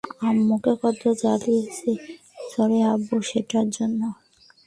আম্মুকে কত জ্বালিয়েছি, সরি আব্বু সেটার জন্য!